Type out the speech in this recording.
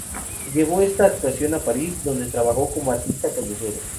Llevó esta actuación a París, donde trabajó como artista callejero.